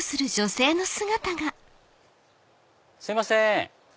すいません！